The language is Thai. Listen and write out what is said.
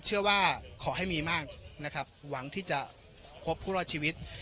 ขอให้มีมากนะครับหวังที่จะพบผู้รอดชีวิต